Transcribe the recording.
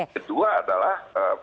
yang kedua adalah